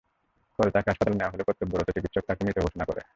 পরে তাঁকে হাসপাতালে নেওয়া হলে কর্তব্যরত চিকিৎসক তাঁকে মৃত ঘোষণা করেন।